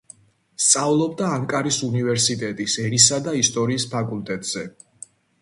სწავლობდა ანკარის უნივერსიტეტის ენისა და ისტორიის ფაკულტეტზე.